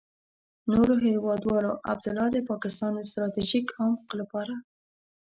نو هېوادوالو، عبدالله د پاکستان د ستراتيژيک عمق لپاره.